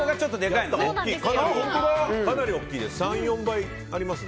かなり大きいです。